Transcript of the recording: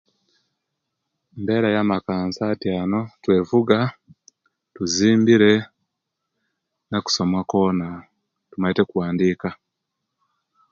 Embera yamaka nsa atyano twevuga tuzimbire nakusoma kwona tumaite okuwandika